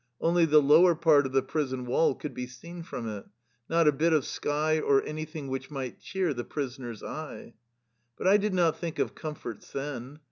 Only the lower part of the prison wall could be seen from it ; not a bit of sky or anything which might cheer the prisoner's eye. But I did not think of comforts then.